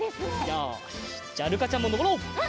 じゃあるかちゃんものぼろう！